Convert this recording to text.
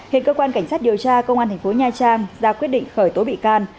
hiện cơ quan cảnh sát điều tra công an tp nha trang ra quyết định khởi tố bị can